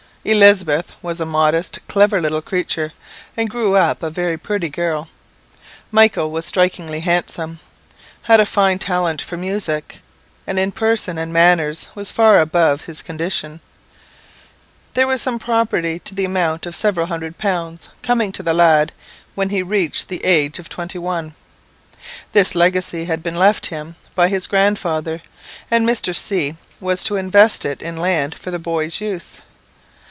Elizabeth was a modest, clever little creature, and grew up a very pretty girl. Michael was strikingly handsome, had a fine talent for music, and in person and manners was far above his condition. There was some property, to the amount of several hundred pounds, coming to the lad when he reached the age of twenty one. This legacy had been left him by his grandfather, and Mr. C was to invest it in land for the boy's use.